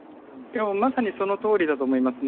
まさにそのとおりだと思いますね。